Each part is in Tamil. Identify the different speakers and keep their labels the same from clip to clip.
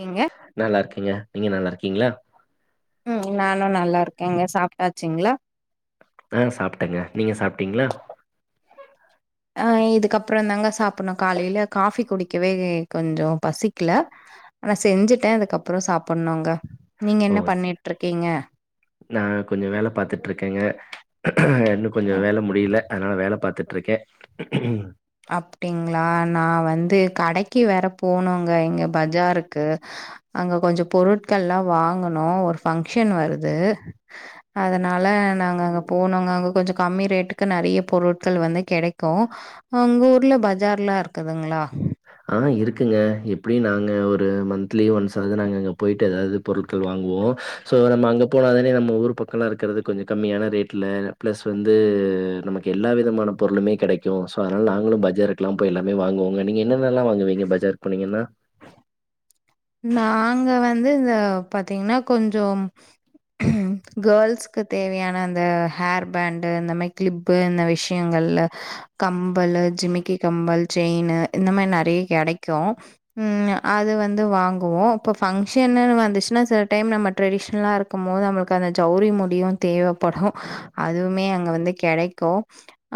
Speaker 1: ஏங்க
Speaker 2: நல்லாருக்கேங்க நீங்க நல்லாருக்கீங்ளா
Speaker 1: ம் நானு நல்லாருக்கேங்க சாப்பிட்டாச்சுங்ளா
Speaker 2: ஆ சாப்ட்டேங்க நீங்க சாப்ட்டீங்ளா
Speaker 1: ஆ இதுக்கப்றோந்தாங்க சாப்புட்ணூ காலையில காஃபி குடிக்கவே கொஞ்சோ பசிக்ல ஆனா செஞ்சுட்டே இதுக்கப்றோ சாப்புண்ணூங்க நீங்கென்ன பண்ணிட்ருக்கீங்க
Speaker 2: நா கொஞ்சோ வேல பாத்துட்ருக்கேங்க இன்னு
Speaker 1: ஓ
Speaker 2: கொஞ்ச வேல முடில அத்னா வேல பாத்துட்ருக்கே
Speaker 1: அப்டிங்ளா நா வந்து கடைக்கு வேற போணூங்க இங்க பஜாருக்கு அங்க கொஞ்சோ பொருட்கள்லா வாங்கணூ ஒரு ஃபங்க்ஷன் வருது அதனா ல நாங்க அங்க போணூங்க அங்க கொஞ்சொ கம்மி ரேட்டுக்கு நறைய பொருட்கள் வந்து கெடைக்கூ ஆ உங்க ஊருல பஜார்லா இருக்குதுங்ளா
Speaker 2: ஆ இருக்குங்க எப்பிடி நாங்க ஒரு மந்த்லி ஒன்ஸாவ்து நாங்க அங்க போய்ட்டு ஏதாவ்து பொருட்கள் வாங்குவோ சோ நம்ம அங்க போனா தானே நம்ம ஊர் பக்கோலா இருக்குறது கொஞ்சோ கம்மியான ரேட்ல ப்ளஸ் வந்து து நமக்கு எல்லா விதமான பொருளுமே கெடைக்கூ சோ அத்னால நாங்களு பஜார்க்கெல்லா எல்லாமே வாங்குவோங்க நீங்க எ ன்னென்னல்லா வாங்குவீங்க பஜாருக் போனீங்கன்னா?
Speaker 1: நாங்க வந்து இந்த பாத்தீங்னா கொஞ்சோ கேள்ஸ்க்கு தேவையான அந் த ஹேர்பேண்டு இந்தமாய் க்ளிப்பு இந்த விஷ்யங்கள்ல கம்பல்லு ஜிமிக்கி கம் மல் செயினு இந்த மாயி நறைய கெடைக்கூ ம் அது வந்து வாங் குவோ இப்ப பங்க்ஷன்னுனு வந் துச்ன்னா சில டைம் நம்ம ட்ரெடிஷ்னலா இருக்குமோது நம்ளுக்கு அந்த ஜௌரி முடியு தேவைப்படூ அதுவு மே அங்க வந்து கெடைக்கூ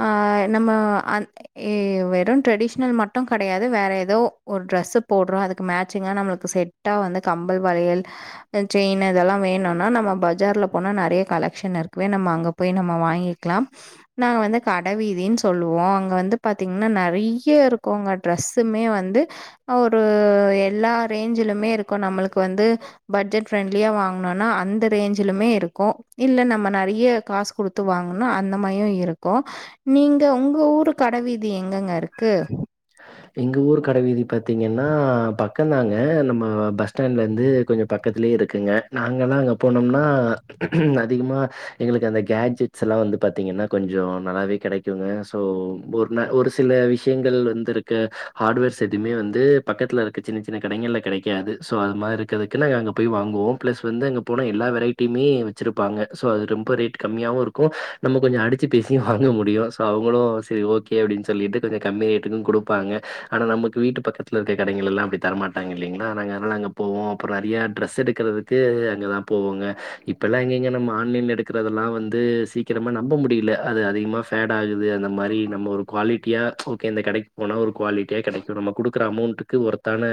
Speaker 1: ஆ நம்ம அந் ஏ வெறு ட்ரெடிஷ்னல் மட்டு கெடையாது வேற எதோ ஒரு ட்ரெஸ்ஸு போட்றோ அதுக்கு மேட்சிங்கா நம்ளு கு செட்டா வந்து கம்பல் வளையல் செயினு இதெல்லா வேணுனா நம்ம பஜார்ல போனா நறைய கல் கலெக்ஷன் இருக்கவே நம்ம அங்க போய் நம்ம வாங்கிக்கலாம். நாங்க வந்து கடவீதி சொல்லுவோ. அங்க வந்து பாத்தீங்னா நெறையா இருக்கு அங்க ட்ரெஸ்ஸுமே வந்து ஒரு எல்லா ரேஞ்சிலுமே இருக்கு நம்மளுக் கு வந்து பட்ஜெட் ஃப்ரெண்ட்லியா வாங்னுனா அந்த ரேஞ்சிலுமே இருக்கு‌. இல்ல நம்ம நெறையா காஸ் குடுத்து வாங்குனா அந்த மாய்யு இருக்கு. நீங்க உங்க ஊரு கடவீதி எங்கங்க இருக்கு? கு
Speaker 2: எங்க ஊர் கடவீதி பாத்தீங்கன்னா பக்கந்தாங்க. அ நம்ம பஸ் ஸ்டாண்ட்லருந்து கொஞ்சோ பக் கத்திலே இருக்குங்க. நாங்கல்லா அங்க போனம்னா அதிகமா எங்களுக்கு அந்த கேஜெட்ஸ் எல்லா வந் து பாத்தீங்கன்னா கொஞ்சோ நல்லாவே கெடைக்குங்க. சோ ஒரு நே ஒரு சில விஷ்யங்கள் வந்துருக் கு. ஹார்டுவேர்ஸ் எதுமே வந்து பக்கத்துலருக்க சின்ன சின்ன கடைங்கள்ல கெடைக்காது. சோ அது மார்ருக்கறதுக்கெல்லா அங்க போய் வாங்குவோ. ப்ளஸ் வந்து அங்க போனா எல்லா வெரைட்டியுமே வெச்சிருப்பாங்க. சோ அது ரொம்ப ரேட் கம்மியாவு இருக்கு நம்ம கொஞ்சோ அடிச்சு பேசி வாங்க முடியு. சோ அவுங்களு செரி ஓகே அப்டின் சொல்லிட்டு கொஞ்சோ கம்மி ரேட்டுக்கு குடு ப்பாங்க. ஆனா நமக்கு வீட்டு பக்கத்துலருக்க கடைங்களெல்லா அப்டி தரமாட்டாங்க இல்லீங்ளா நாங்க அத்னால் நாங்க போவோ. அப்ற நறையா ட்ரஸ் எடுக்கறதுதுக்கு அங்க தா போவோங்க. இப்பெல்லா எங்கீங்க நம்ம ஆன்லைன்ல எடுக்கறதெல் லா வந்து சீக்கிரமா நம்ப முடியில. அது அதிகமா ஃபேட் ஆகுது‌ அந்த மாரி நம்ம ஒரு க்வாலிட்டியா ஓகே இந்த கடைக் போனா ஒரு க்வாலிட்டியா கெடைக்கு நம்ம குடுக்கற அமௌண்ட்டு க்கு வொர்த்தான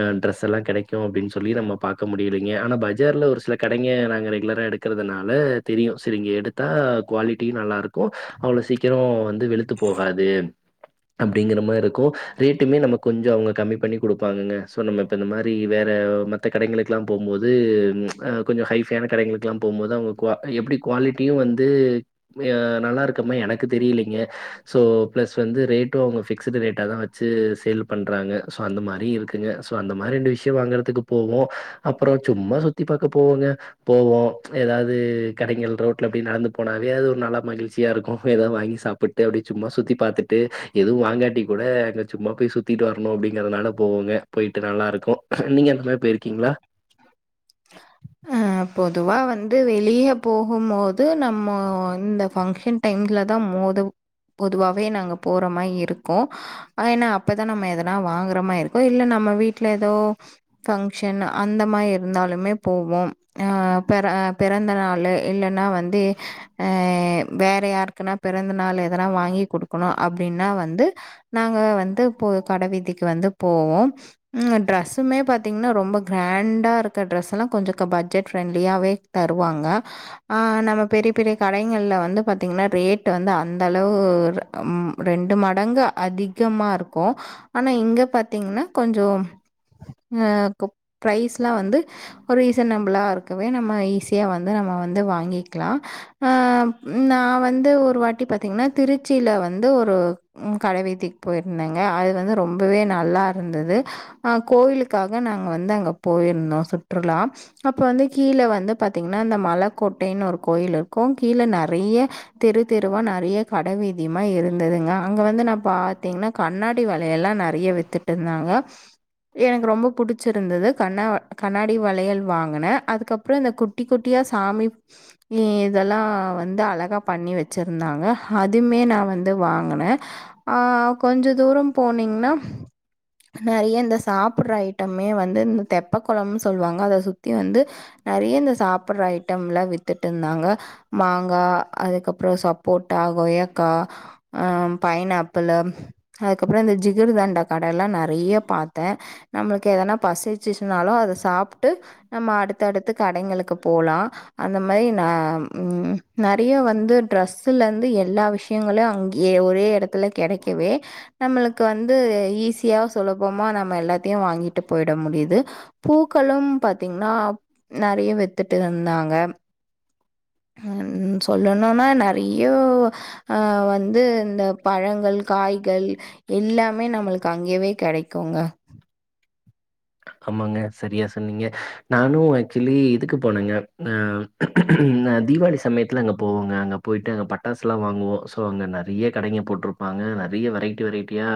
Speaker 2: அ ட்ரஸ் எல்லா கெடைக்கு அப்டின் சொல்லி நம்ம பாக்க முடியலீங்க. ஆனா பஜார்ல ஒரு சில கடைங் ங்க நாங்க ரெகுலரா எடுக்கறதுனால தெரியு. செரி இங்க எடுத்தா க்வாலிட்டியு நல்லா இருக்கு, அவ்ளோ சீக் கிராமா வந்து வெளுத்து போகாது அப் டிங்கற மார்ருக்கு. ரேட்டுமே நம்ம கொஞ்சோ அவுங்க கம்மி பண்ணி குடுப்பாங்கங்க. சோ நம்ம இப்ப இந்த மாரி வேற மத்த கடைங்களுக்குல்லா போம்போது அ கொஞ்சோ ஹைஃபையான கடைங்களுக்குல்லா போம்போது அவுங்க க்வா அது எப்டி க்வாலிட்டியு வந்து அ நல்லா இருக்குமா எனக்கு தெரிலீங்க. சோ ப்ளஸ் வந்து ரேட் டு அவுங்க ஃபிக்ஸுடு ரேட்டா தா வச்சு சேல் பண்றாங்க. சோ அந்த மாரி இருக்குங்க. சோ அந்த மார் ரெண்டு விஷ்யோ வாங்கறத்துக்கு போவோ. அப்பறோ சும்மா சுத்தி பாக்க போவோங்க. போவோ எதாவ்து கடைங்கள் ரோட் ல அப்டியே நடந்து போனாவே அது ஒரு நல்லா மகி்ழ்ச்சியாருக்கு. எதா வாங்கி சாப்பிட்டு அப்டியே சும்மா சுத்தி பாத்துட்டு எது வாங்காட்டி கூட அங்க சும்மா போய் சுத்திட்டு வரனு அப்டிங்கறதுனால போவோங்க. போய்ட்டு நல்லாருக்கு. நீங்க இந்த மாரி போய்ருக்கீங்ளா?
Speaker 1: அ பொதுவா வந்து வெளிய போகும் போது நம்மோ இந்த ஃபங்க்ஷன் டைம்ல தா மோதுவ் பொதுவாவே நாங்க போற மாயி இருக்கு. அ ஏன்னா அப்பதா நம்ம எதுனா வாங்கற மாயி இருக்கு இல்ல நம் நம்ம வீட்ல எதோ ஃபங்க்ஷன் அந்த மாய் இருந்தாலுமே போவோ‌. அ பிற அ பிறந்த நாளு இல்லன்னா வந்து அ வேற யாருக்குன்னா பிறந்த நாளு எதனா வாங்கி குடுக்கனு அப்டின்னா வந்து நாங்க வந்து போ கடவீதிக்கு வந்து போவோ. ம் ட்ரஸ்ஸுமே பாத்தீங்னா ரொம்ப க்ராண்டா இருக்க ட்ரெஸ் எல்லா கொஞ்சோ க பட்ஜெட் ஃப்ரெண்ட்லியாவே தருவாங்க. அ நம்ம பெரிய பெரிய கடைங்கள்ல வந்து பாத்தீங்கன்னா ரேட் வந் து அந்தளவு ர ம் ரெண்டு மடங்கு அதிகமாருக்கு. ஆனா இங்க பாத் தீங்னா கொஞ்சோ அ கு ப்ரைஸ்லா வந்து ரீசனபிளா இருக் கவே நம்ம ஈஸியா வந்து நம்ம வந்து வாங்கிக்கலா அ நா வ ந்து ஒரு வாட்டி பாத்தீங்கனா திருச்சில வந்து ஒரு ம் கடவீதிக்கு போயிருந்தாங்க அது வந்து ரொம்பவே நல்லா இருந்தது அ கோயிலுக்காக நாங்க வந்து அங்க போயிர்ந்தோ சுற்றுலா அப்ப வந்து கீழ வந்து பாத்தீங்கனா இந்த மலக்கோட்டைனு ஒரு கோயிலிருக்கு கீழ நெறைய தெரு தெருவா நெறைய கடைவீதி மாய் இருந்ததுங்க அங்க வந்து நா பாத்தீங்ன்னா கண்ணாடி வளையல்லா நெறைய வித்துட்டு இருந்தாங்க எனக்கு ரொம்ப புடிச்சிருந்தது கண்ணா கண்ணாடி வளையல் வாங்குனே அதுக் கப்றோ இந்த குட்டி குட்டியா சாமி இ இதெல்லா வந்து அழகா பண்ணி வெச்சிருந்தாங்க அதுமே நா வந்து வாங்குனே ஆ கொஞ்ச தூரோ போனீங்ன்னா நெறைய இந்த சாப்பிட்ற ஐட்டம்மே வந்து இந்த தெப்ப குளம்னு சொல்வாங்க அத சுத்தி வந்து நெறைய இந்த சாப்பிட்ற ஐட்டம்லா வித்துட்டுருந்தாங்க மாங்கா, அதுக்கப் றோ சப்போட்டா, கொய்யாக்கா, அ பைனாப்பிளு, அதுக்கப்றோ இந்த ஜிகிரு தண்டா கடயெல்லா நெறைய பாத்தே நம்மளுக் எதனா பசிச்சிச்னாலு அத சாப்புட்டு நம்ம அடுத்தடுத்து கடைங்களுக்கு போலா அந்த மாரி ந ம் நெறைய வந்து ட்ரஸ்ஸுலந்து எல்லா விஷயங்களு அங்கியே ஒரே எடத்துல கெடைக்கவே நம்மளுக்கு வந்து ஈஸியா சுலபமா நம்ம எல்லாத்தையு வாங்கிட்டு போயிட முடியிது பூக்களும் பாத்தீங்ன்னா நெறைய வித்துட்டு இருந்தாங்க ம் சொல்லணுன்னா நெறையோ அ வந்து இந்த பழங்கள் காய்கள் எல்லாமே நம்மளுக்கு அங்கயவே கெடைக் குங்க
Speaker 2: ஆமாங்க செரியா சொன்னீங்க நானு ஆக்சுவலி இதுக்கு போனேங்க அ நா தீபாவளி சமயத்தில அங்கே போவங்க அங்க போயிட்டு அங்க பட்டாசுலா வாங்குவோ சோ அங்கே நெறிய கடைங்க போட்ருப்பாங்க அ நெறைய வெரைட்டி வெரைட்டியா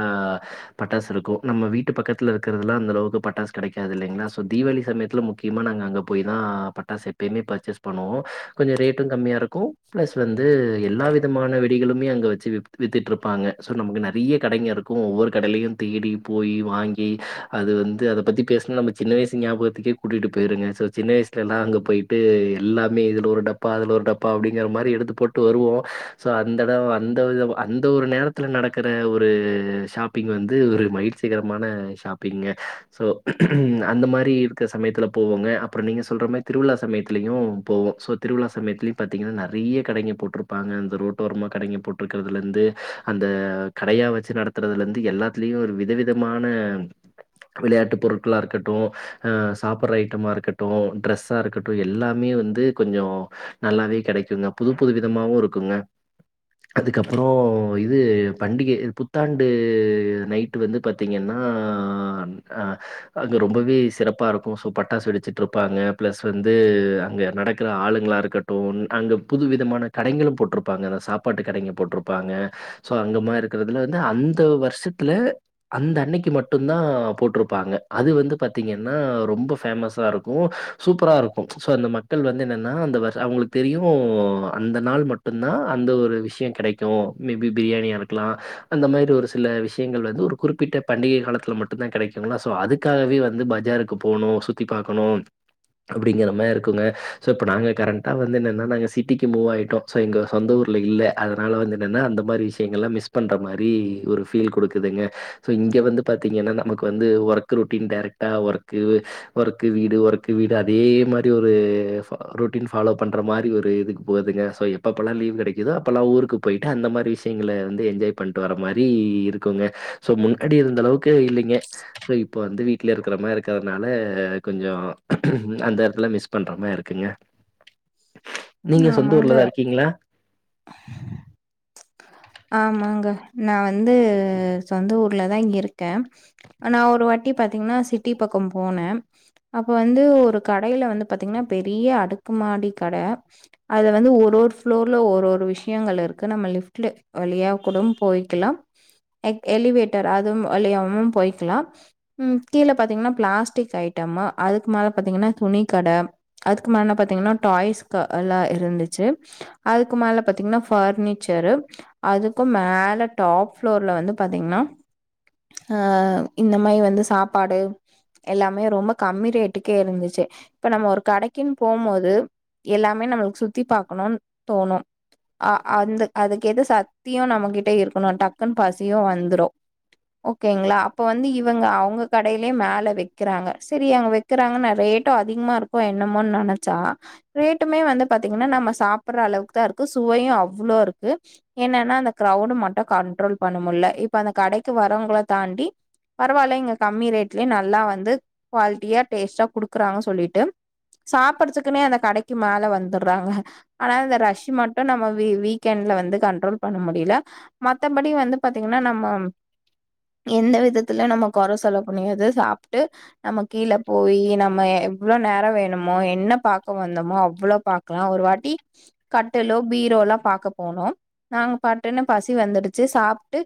Speaker 2: பட்டாஸ்ருக்கு நம்ம வீட்டு பக்கத்துல இருக்கிறதுலா அந்த அளவுக்கு பட்டாஸ் கெடைக்காது இல்லிங்ளா சோ தீபாவளி சமயத்துல முக்கியமா நாங்க அங்க போய் தா பட்டாசு எப்பயுமே பர்ச்சேஸ் பண்ணுவோ கொஞ்சோ ரேட்டு கம்மியாருக்கு ப்ளஸ் வந்து எல்லா விதமான வெடிகளுமே அங்கே வெச்சி வித்துட்டு்ருப்பாங்க சோ நமக்கு நெறிய கடைங்கருக்கு ஒவ்வொரு கடையிலயு தேடி போயி வாங்கி அது வந்து அத பத்திப் பேச நம்ம சின்ன வயசு ஞாபகத்துக்கே கூட்டிட்டு போயிருங்க சோ சின்ன வயசுலெல்லா அங்க போயிட்டு எல்லாமே இதுல ஒருட் டப்பா அல ஒரு டப்பா அப்டிங்கிற மாதிரி எடுத்து போட்டு வருவோ சோ அந்த எடோ அந்த அந்த ஒரு நேரத்தில நடக்குற ஒரு ஷாப்பிங் வந்து ஒரு மகிழ்ச்சிகரமான ஷாப்பிங்கே சோ அந்த மாரி இருக்க சமயத்துல போவோங்க அப்புறோ நீங்க சொல்ற மாரி திருவிழா சமயத்துலயு போவோ சோ திருவிழா சமயத்துலயு பாத்தீங்கன்னா நெறிய கடைங்க போட்ருப்பாங்க அந்த ரோட்டோரமா கடைங்க போட்ருக்குறதுலந்து அந்த அ கடையா வெச்சி நடத்துறதுலந்து எல்லாத்துலயு ஒரு விதவிதமான விளையாட்டு பொருள் களாருக்கட்டு‌ அ சாப்பற்ற ஐட்டமாகருக்கட்டு ட்ரெஸ்ஸாகருக்கட்டு எல்லாமே வந்து கொஞ்சோ நல்லாவே கெடைக்குங்க புது புது விதமாவுருக்குங்க அதுக்கப்புறோ இது பண்டிக புத்தாண்டு நைட்டு வந்து பாத்தீங்கன்னா அ அ அ க அங்க ரொம்பவே சிறப்பாருக்கு ஸோ பட்டாசு வெடிச்சிட்ருப்பாங்க பிளஸ் வந்து அங்க நடக்குற ஆளுங்களா ளாருக்கட்டு அங்கு புது விதமானக் கடைகளு போட்ருப்பாங்க அந்த சாப்பாட்டு கடைங்க போட்ருப்பாங்க சோ அங்க மாரி இருக்குறதுல வந்து அந் து வருஷத்துல அந்த அன்னைக்கு மட்டுந்தா போட்ருப்பாங்க அது வந்து பாத்தீங்கன்னா ரொம்ப ஃபேமஸாருக்கு சூப்பராருக்கு சோ அந்த மக்கள் வந்து என்னன்னா அந்த வருஷ அவங்களுக்கு தெரியு அந்த நாள் மட்டு்ந்தா அந்த ஒரு விஷயோ கெடைக்கு மேபி பிரியாணியாருக்கலா அந்த மாரி ஒரு சில விஷயங்கள் வந்து ஒரு குறிப்பிட்ட பண்டிக காலத்துல மட்டுந்தா கெடைக்குங்களா சோ அதுக் காகவே வந்து பஜாருக்கு போணோ சுத்தி பாக்கணும் அப்டிங்கற மாரிருக்குங்க இப்ப நாங்க கரண்டா வந்து என்னன்னா நா சிட்டிக்கு மூவ் ஆயிட்டோ சோ எங்க சொந்த ஊர் ல இல்ல அதனால வந்து என்னன்ன அந்த மாரி விஷயங்கள்ளா மிஸ் பண்ற மாரி ஒரு பீல் குடுக்குதுங்க சோ இங்க வந்து பாத்தீங்கன்னா நமக்கு வந்து ஒர்க் ரொட்டீன் டேரெக்ட்டா ஒர்க்கு ஒர்க் கு வீடு ஒர்க்கு வீடு அதே மாரி ஒரு ஃப் ரொட்டின் ஃபாலோ பண்ற மாரி ஒரு இதுக் போகுதுங்க சோ எப்பப்பல்லா லீவ் கெடைக்குதோ அப்பல்லா ஊருக்கு போயிட்டு அந்தமாரி விஷயங்கள வந்து என்ஜாய் பன்ட்டு வர மாரி இருக்குங்க சோ முன்கட்டி இருந்த அளவுக்கு இல்லிங்க இப் போ வந்து வீட்ல இருக்குற மாரி இருக்கறனால கொஞ்சோ அந்த எடத்துல மிஸ் பண்ற மாரி இருக்குங்க நீங்க
Speaker 1: ஆமாங்க.
Speaker 2: சொந்தஊர்லதா இருக்கீங்ளா
Speaker 1: ஆமாங்க நா வந்து சொந்த ஊர்லதாங் இருக் கே ஆனா ஒரு வாட்டி பாத்தீங்கன்னா சிட்டி பக்கம் போன அப்ப வந்து ஒரு கடையில வந்து பாத்தீங்கன்னா பெரிய அடுக்குமாடி கட அது வந் ஒரு ஒரு ஃப்ளோர்ல ஒரு ஒரு விஷயங்கள் இருக்கு நம்ம லிஃப் டு வழியா கூடம் போயிக்கலா எக் எலிவேட்டர் அதுவும் வழியவும் போய்க்கலா ம் கீழ பாத்தீங்களா ப்ளாஸ்டிக் ஐட்டம் ம அதுக்கு மேல பாத்தீங்கன்னா துணி கட அதுக்கு மேல பாத்தீங்கன்னா டாய்ஸ்க எல்லா‌ இருந்துச்சி அதுக்கு மேல பாத்தீங்ன்னா ஃபார்னிச்சரு அதுக்கும் மேல டாப் ஃப்ளோர்ல வந்து பாத்தீங்ன்னா அ இந்த மாரி வந்து சாப்பாடு எல்லாமே ரொம்ப கம்மி ரேட்டுக்கே இருந்துச்சி இப்ப நம்ம ஒரு கடைக்கின் போம்மோது எல்லாமே நம்மளுக்கு சுத்தி பாக்கணும்னு தோணு அ அந்த அது எது சக்த்தியு நம்மகிட்ட இருக்கணு டக்குன்னு பசியு வந்துரு ஓகேங்களா அப்ப வந்து இவங்க அவங்க கடையிலயே மேல வைக்கிறாங்க செரி அங்க வைக்கிறாங்க நெறைய ரேட்டு அதிகமா இருக்கு என்னமோ நெனைச்சா ரேட்டுமே வந்து பாத்தீங்கன்னா நம்ம சாப்ட்ற அளவுக்கு தா இருக்கு சுவையு அவ்ளோ இருக்கு என்னன்னா அந்த க்ரௌடு மட்டு கண்ட்ரோல் பண்ண முட்ல இப்ப அந்த கடைக்கு வரவங்கள தாண்டி பரவால்ல இங்க கம்மி ரேட்லய நெ நல்லா வந்து குவாலிட்டியா டேஸ்ட்டா குடுக்குறாங்க செல்லிட்டு சாப்பிடுறதுக்குனே அந்த கடைக்கு மேல வந்துடுறாங்க ஆனா அந்த ரஷ் மட்டு நம்ம வீக் வீக்கெண்ட்ல வந்து கண்ட்ரோல் பண்ண முடில மத்தபடி வந்து பாத்தீங்கன்னா நம்மோ எந்த விதத்துல நம்ம குற சொல்ல முடியாது சாப்ட்டு நம்ம கீழே போயி் நம்ம எவ்ளோ நேரோ வேணுமோ என்ன பாக்க வந்தோமோ அவ்ளோ பாக்கலா ஒரு வாட்டி கட்டிலோ ஃபீர் பீரோலா பாக்க போனோ நாங்க பாட்டுன்னு பசி வந்துடுச்சு சாப்ட்டு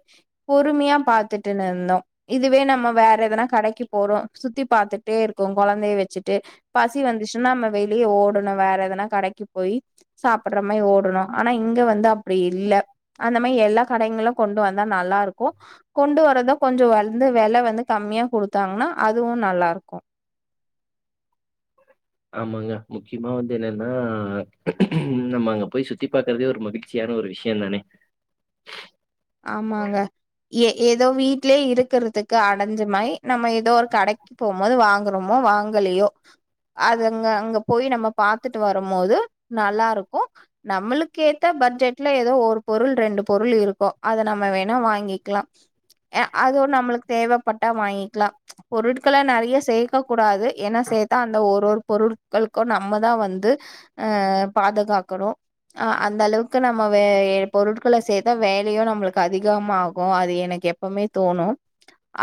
Speaker 1: பொறுமையா பாத்துட்டு நிந்தோ இதுவே நம்ம வேற எதனா கடைக்கு போறோம் சுத்தி பாத்துட்டே இருக்கோ கெழந்தையை வெச்சுட்டு பசி வந்துச்சுன்னா நம்ம வெளியே ஓடணு வேற எதுனா கடைக்கு போய் சாப்ட்ற மாரி ஓடணு ஆனா இங்க வந்து அப் அப்டி இல்ல அந்த மாரி எல்லா கடைங்களும் கொண்டு வந்தா நல்லா இருக்கு கொண்டு வரறதா கொஞ்சோ வந்து வெல வந்து கம்மியா குடுத்தாங்கன்னா அதுவு நல்லா இருக்கு
Speaker 2: ஆமாங்க முக்கியமா வந்து என்னன்னா நம்ம அங்க போய் சுத்தி பாக்கறதே ஒரு மகிழ்ச்சியான ஒரு விஷயந்தானே
Speaker 1: ஆமாங்க ஏ ஏதோ வீட்லயே இருக்கிறதுக்கு அடஞ்சுமாரி நம்ம ஏதோ ஒரு கடைக்கு போம் போது வாங்குறோமோ வாங்கலியோ அதுங்க அங்க போய் நம்ம பாத்துட்டு வரும் போது நல்லா இருக்கு நம்மளுக்க ஏத்த பட்ஜெட்ல ஏதோ ஒரு பொருள் ரெண்டு பொருள் இருக்கு அத நம்ம வேணா வாங்கிக்கலா எ அதுவு நம்ளுக்கு தேவப்பட்டா வாங்கிக்கலா பொருட்கள நெறைய சேர்க்க கூடாது ஏன்ன சேத்தா அந்த ஒரு பொருட்களுக்கு நம்ம தா வந்து பாதுகாக்கணு அந்த அளவுக்கு நம்ம வே பொருட்கள சேதா வேண்ட லையு நம்ளுக்கு அதிகமாகு அது எனக்கு எப்பிமே தோணு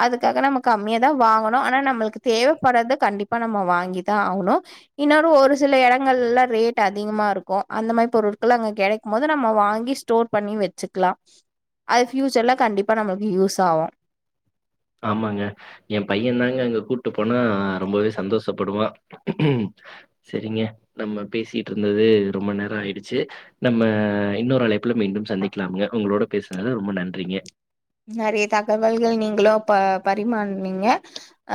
Speaker 1: அதுக்காக நம்ம கம்மியா தா வாங்கணு ஆனா நம்மளுக்கு தேவப்பட்றது கண்டிப்பா நம்ம வாங்கிதா ஆகணு இன்னொரு ஒரு சில இடங்கள்லாம் ரேட் அதிகமா இருக்கு அந்த மாரி பொருட்கள் அங்க கெடைக்கும் போது நம்ம வாங்கி ஸ்டோர் பண்ணி வெச்சுக்லா அது ஃபியூச்சர்ல கண்டிப்பா நம்மளுக்கு யூஸ் ஆகு
Speaker 2: ஆமாங்க ஏ பைய தாங்க அங்க கூட்டு போனா ரொம்பவே சந்தோஷப்படுவா செரிங்க நம்ம பேசிட்டு இருந்தது ரொம்ப நேரம் ஆயிடுச்சு நம்ம இன்னொரு அழை ப்ல மீண்டும் சந்திக்கலாமங்க உங்களோட பேசுறது ரொம்ப நன்றிங்க
Speaker 1: நெறைய தகவல்கள் நீங்களு பரிமார்னிங்க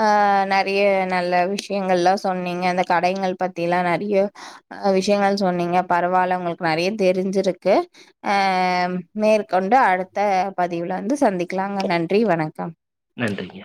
Speaker 1: அ நெறைய நல்ல விஷயங்கள்லா சொன்னீங்க அந்த கடை பத்திலா நெறைய விஷயங்கள் சொன்னீங்க பரவாயில்ல உங்களுக்கு நெறைய தெரிஞ்சிருக்கு அ மேற்கொண்டு அடுத்த பதிவுல வந்து சந்திக்கலாங்க நன்றி வணக்கம்
Speaker 2: நன்றிங்க